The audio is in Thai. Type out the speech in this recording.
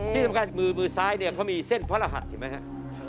ที่สำคัญมือซ้ายเนี่ยเขามีเส้นพระรหัสเห็นไหมครับ